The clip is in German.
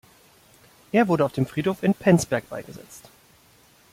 Er wurde auf dem Friedhof in Penzberg beigesetzt.